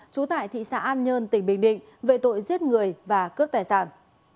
trú tại thị xã an nhơn tỉnh bình định về tội giết người và cướp tài sản